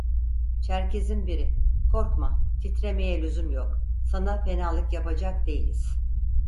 Çerkesin biri: - Korkma titremeye lüzum yok, sana fenalık yapacak değiliz!